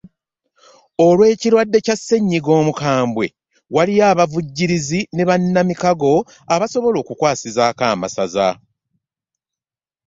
Olw'ekirwadde kya Omukambwe, waliyo abavujjirizi na bannamikago abasobola okukwasizaako amasaza